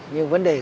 nhưng vấn đề